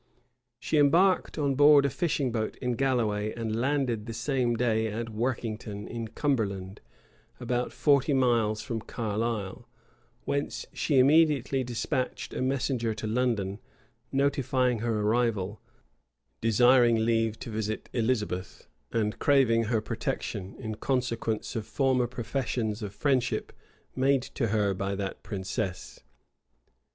She embarked on board a fishing boat in Galloway, and landed the same day at Workington, in Cumberland, about thirty miles from Carlisle, whence she immediately despatched a messenger to London, notifying her arrival, desiring leave to visit Elizabeth, and craving her protection, in consequence of former professions of friendship made her by that princess.